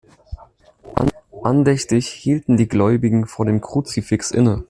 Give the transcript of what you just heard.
Andächtig hielten die Gläubigen vor dem Kruzifix inne.